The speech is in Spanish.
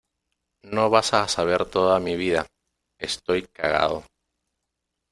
no vas a saber toda mi vida. estoy cagado